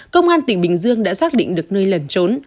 công an tỉnh bình dương đã xác định được nơi lẩn trốn